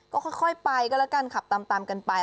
ก็ค่อยไปก็แล้วกันขับตามกันไป